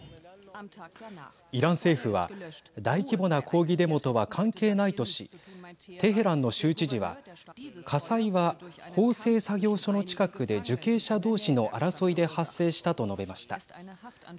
イラン政府は大規模な抗議デモとは関係ないとしテヘランの州知事は火災は縫製作業所の近くで受刑者同士の争いで発生したと述べました。